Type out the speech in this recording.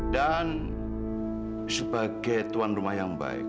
dan sebagai tuan rumah yang baik